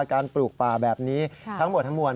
การปลูกป่าแบบนี้ทั้งหมดทั้งมวล